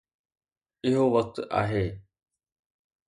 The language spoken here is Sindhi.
اهو وقت آهي